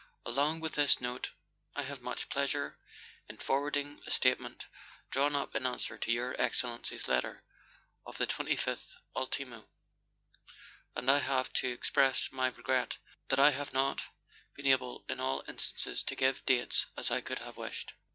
Along with this note I have much pleasure in forwarding a statement drawn up in answer to Your Excellency's letter of the 25th ultimo; and I have to express my regret that I have not been able in all instances to give dates as I could have wished.